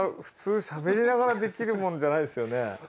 普通しゃべりながらできるもんじゃないですよね。